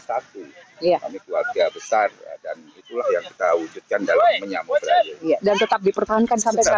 satu kami keluarga besar dan itulah yang kita wujudkan dalam menyamobraya dan tetap dipertahankan sampai sekarang